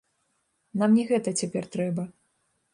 Нам не гэта цяпер трэба.